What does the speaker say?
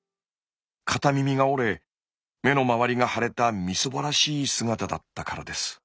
片耳が折れ目の周りが腫れたみすぼらしい姿だったからです。